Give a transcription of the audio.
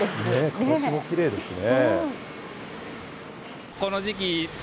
形もきれいですね。